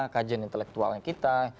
kajian intelektualnya kita